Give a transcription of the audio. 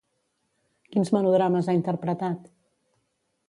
Quins melodrames ha interpretat?